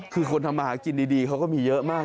คือคนทำมาหากินดีเขาก็มีเยอะมาก